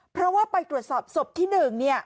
เพราะว่าไปตรวจสอบศพที่หนึ่งเนี่ย